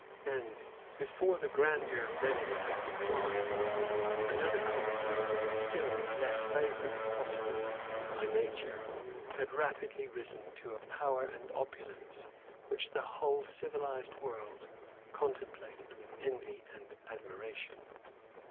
And, before the grandeur of Venice had declined, another commonwealth, still less favoured, if possible, by nature, had rapidly risen to a power and opulence which the whole civilised world contemplated with envy and admiration.